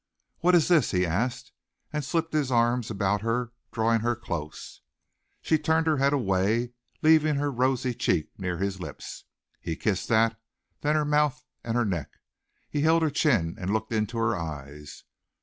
"What is this?" he asked and slipped his arms about her, drawing her close. She turned her head away, leaving her rosy cheek near his lips. He kissed that, then her mouth and her neck. He held her chin and looked into her eyes.